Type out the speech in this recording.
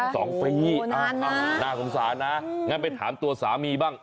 สองปีอ่าน่าสงสารนะงั้นไปถามตัวสามีบ้าง